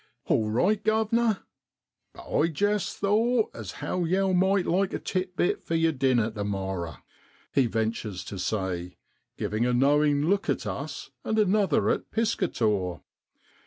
4 All right, guv'nor ! but I jest thowt as how yow might like a tit bit for yer dinner to morrer,' he ventures to say, giving a knowing look at us and another at Piscator.